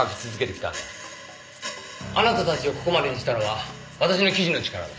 あなたたちをここまでにしたのは私の記事の力だ。